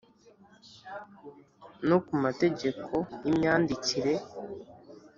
no ku mategeko y’imyandikire.